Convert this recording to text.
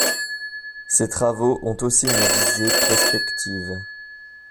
Ces travaux ont aussi une visée prospective.